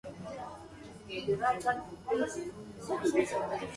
His most important work was Drottningholm Palace, now a world heritage site.